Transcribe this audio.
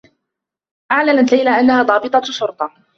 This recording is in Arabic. أعلنت ليلى أنّها ضابطة شرطة.